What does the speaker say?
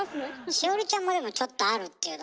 栞里ちゃんもでもちょっとあるっていうのはね